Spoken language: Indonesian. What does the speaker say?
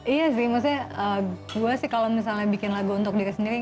iya sih maksudnya gue sih kalau misalnya bikin lagu untuk diri sendiri